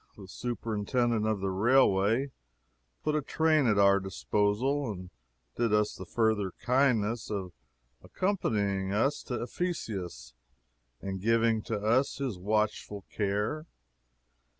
The Superintendent of the railway put a train at our disposal, and did us the further kindness of accompanying us to Ephesus and giving to us his watchful care.